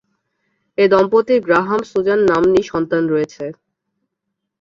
এ দম্পতির গ্রাহাম ও সুজান নাম্নী সন্তান রয়েছে।